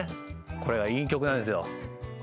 これがいい曲なんですよ。